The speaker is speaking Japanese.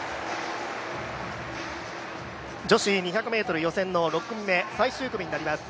女子２００ｍ予選の６組目最終組になります。